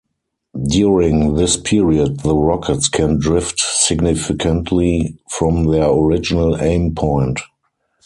During this period the rockets can drift significantly from their original aim point.